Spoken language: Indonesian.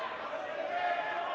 aduh di mana tempat duduk itu